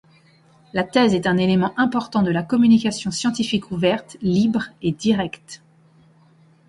La thèse est un élément important de la communication scientifique ouverte, libre et directe.